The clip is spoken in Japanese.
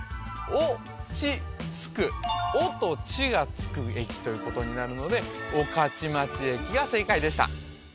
おちつく「お」と「ち」がつく駅ということになるので御徒町駅が正解でした